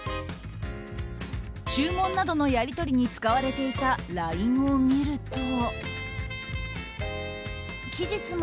注文などのやり取りに使われていたＬＩＮＥを見ると。